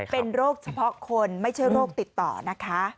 เป็นโรคเฉพาะคนไม่ใช่โรคติดต่อนะคะ